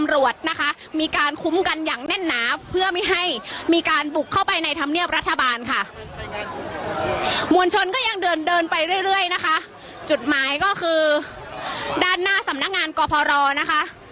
หมายก็คือด้านหน้าสำนักงานกรพรรณ์นะคะ